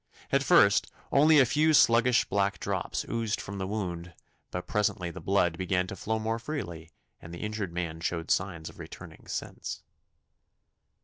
At first only a few sluggish black drops oozed from the wound, but presently the blood began to flow more freely, and the injured man showed signs of returning sense.